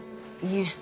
いえ。